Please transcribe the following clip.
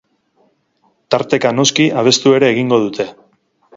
Tarteka, noski, abestu ere egingo dute.